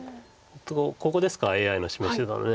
ここですかＡＩの示してたの。